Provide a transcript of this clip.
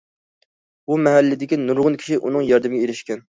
بۇ مەھەللىدىكى نۇرغۇن كىشى ئۇنىڭ ياردىمىگە ئېرىشكەن.